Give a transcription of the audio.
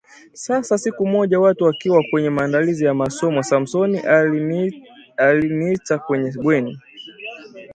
Sasa siku moja watu wakiwa kwenye maandalizi ya masomo, Samson aliniita kwenye bweni